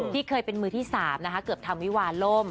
ที่เคยเป็นมือที่๓นะคะเกือบทำวิวาล่ม